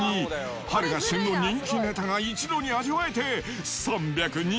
春が旬の人気ネタが一度に味わえ